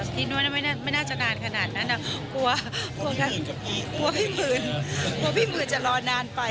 ที่ยู้นไม่น่าจะการขนาดนั้นแล้วก็กลัวพี่มืนจะรอนานไป